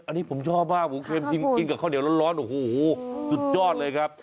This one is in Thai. อันนี้ผมชอบมากผมเคยกินกับข้าวเหนียวร้อนโอ้โหสุดยอดเลยครับ